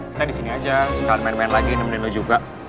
kita disini aja kalian main main lagi nemenin lo juga